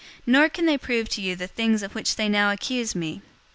024:013 Nor can they prove to you the things of which they now accuse me.